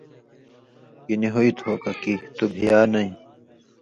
گیں نی ہُوئ تُھو وو ککی تُو بِھیا نَیں۔